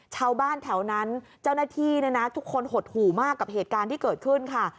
ชาวบ้านแถวนั้นเจ้าหน้าที่เนี่ยนะทุกคนหดหู่มากกับเหตุการณ์ที่เกิดขึ้นค่ะ